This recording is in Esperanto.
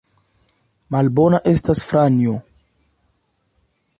Malbona estas Franjo!